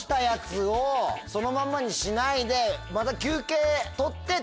そのまんまにしないでまた。